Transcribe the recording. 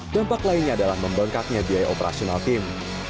dampak lainnya adalah membengkaknya biaya operasional tim